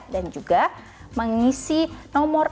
dan juga mengisi nomor akun bank